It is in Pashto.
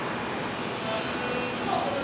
د علم په برخه کې ډېر پرمختګ سوی دی.